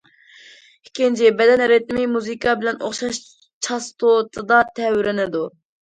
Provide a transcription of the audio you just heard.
ئىككىنچى، بەدەن رىتىمى مۇزىكا بىلەن ئوخشاش چاستوتىدا تەۋرىنىدۇ.